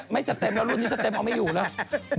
ไม่จะเต็มแล้วรุ่นนี้จะเต็มเอาไม่อยู่แล้ว